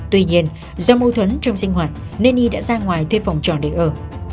tuy nhiên do mâu thuẫn trong sinh hoạt nên y đã ra ngoài thuê phòng trọ để ở